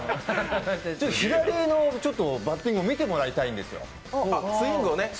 左のバッティング見てもらいたいんですよ。